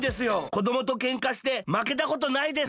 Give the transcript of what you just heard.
こどもとけんかしてまけたことないです。